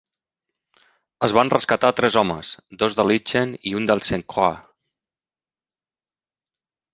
Es van rescatar tres homes, dos de l'Itchen i un del Saint Croix.